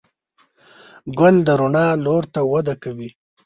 ګل د رڼا لور ته وده کوي.